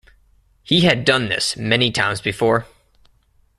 He had done this many times before.